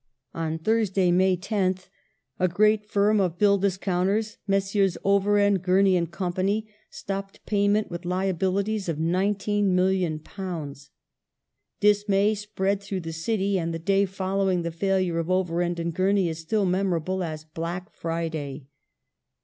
On Thursday, May 10th, a great firm of bill discounters, Messrs. Overend, Gurney & Co., stopped payment with liabilities of £19,000,000. Dismay spread through the City, and the day following the failure of Overend & Gurney is still memorable as " Black Friday